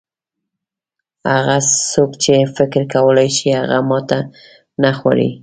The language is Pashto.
هغه څوک چې فکر کولای شي هغه ماته نه خوري.